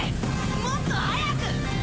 もっと早く！